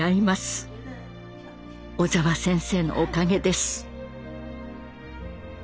小澤先生のおかげです。